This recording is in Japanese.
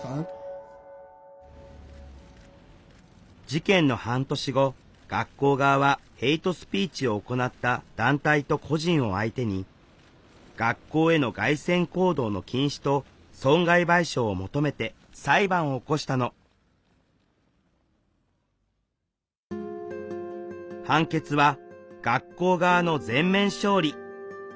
事件の半年後学校側はヘイトスピーチを行った団体と個人を相手に学校への街宣行動の禁止と損害賠償を求めて裁判を起こしたの判決は学校側の全面勝利。